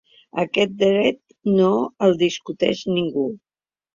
Aquest dret no el discuteix ningú.